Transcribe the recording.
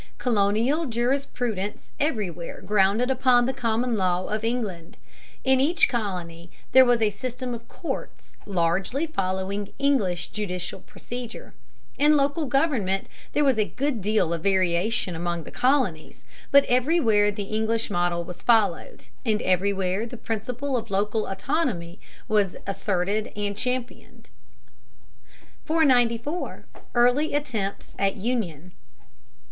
Colonial jurisprudence everywhere grounded upon the common law of England. In each colony there was a system of courts, largely following English judicial procedure. In local government there was a good deal of variation among the colonies, but everywhere the English model was followed, and everywhere the principle of local autonomy was asserted and championed. 494. EARLY ATTEMPTS AT UNION.